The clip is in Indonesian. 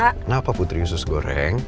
kenapa putri sus goreng